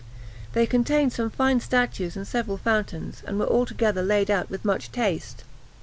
They contained some fine statues and several fountains, and were altogether laid out with much taste.